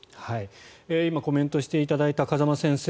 今コメントしていただいた風間先生